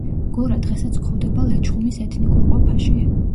გორა დღესაც გვხვდება ლეჩხუმის ეთნიკურ ყოფაში.